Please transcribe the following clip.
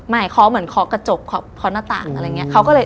เคาะเหมือนเคาะกระจกเคาะหน้าต่างอะไรอย่างนี้